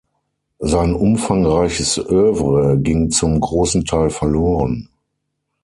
Sein umfangreiches Œuvre ging zum großen Teil verloren.